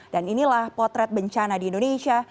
dan inilah potret bencana di indonesia